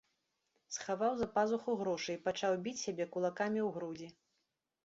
Схаваў за пазуху грошы і пачаў біць сябе кулакамі ў грудзі.